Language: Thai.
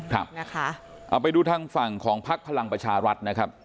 เอาไปดูทั้งฝั่งของภักดิ์พลังประชารัฐ